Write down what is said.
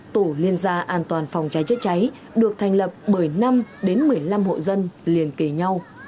tổ liên gia an toàn phòng cháy chữa cháy được thành lập bởi năm đến một mươi năm hộ dân liên kề nhau